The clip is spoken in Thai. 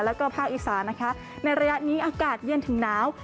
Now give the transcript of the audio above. แล้วก็ภาคอีสานนะคะในระยะนี้อากาศเย็นถึงหนาว